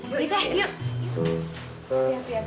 yuk itte yuk